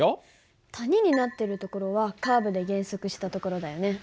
谷になってるところはカーブで減速したところだよね。